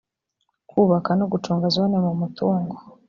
kubaka no gucunga zone mu mutungo